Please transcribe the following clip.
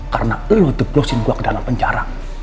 karena lo deblosin gue ke dalam penjara